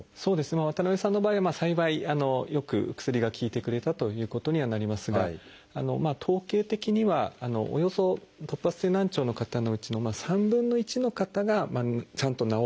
渡辺さんの場合は幸いよく薬が効いてくれたということにはなりますが統計的にはおよそ突発性難聴の方のうちの３分の１の方がちゃんと治ってくる。